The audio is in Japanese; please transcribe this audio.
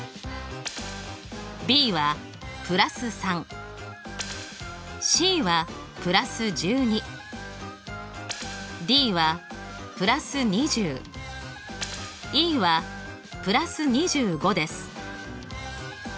Ｂはプラス３Ｃはプラス１２Ｄはプラス２０Ｅはプラス２５です。